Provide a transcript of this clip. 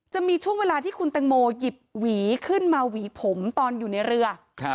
จะมีช่วงเวลาที่คุณตังโมหยิบหวีขึ้นมาหวีผมตอนอยู่ในเรือ